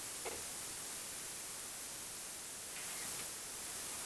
بوټ یې هم لوند شو.